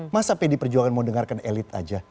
masa pdi perjuangan mau dengarkan elit aja